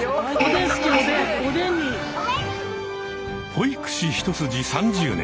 保育士一筋３０年。